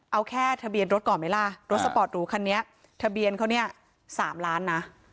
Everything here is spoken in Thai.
เอาแค่ทะเบียนรถก่อนไหมล่ะรถสปอร์ตหรูคันนี้ทะเบียนเขาเนี่ย๓ล้านนะ